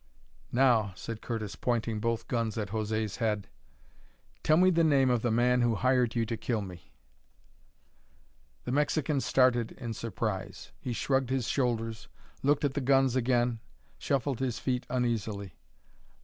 "Now," said Curtis, pointing both guns at José's head, "tell me the name of the man who hired you to kill me." The Mexican started in surprise. He shrugged his shoulders, looked at the guns again, shuffled his feet uneasily.